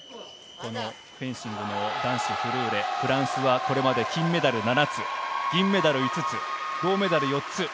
フェンシングの男子フルーレ、フランスはこれまで金メダル７つ、銀メダル５つ、銅メダル４つ。